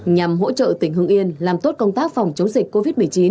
nhằm hỗ trợ tỉnh hưng yên làm tốt công tác phòng chống dịch covid một mươi chín